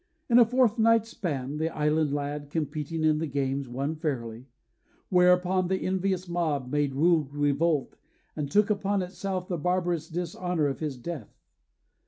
In a fortnight's span, The island lad, competing in the games, Won fairly; whereupon the envious mob Made rude revolt, and took upon itself The barbarous dishonor of his death.